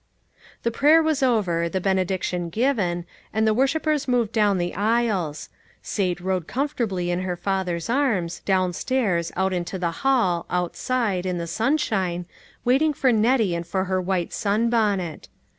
The prayer was over, the benediction given, and the worshipers moved down the aisles. Sate rode comfortably in her father's arms, down stairs, out into the hall, outside, in the sunshine, waiting for Nettie and for her white sunbonnet.